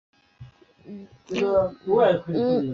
本路线是唯一由西贡郊区开出的早晨特别路线。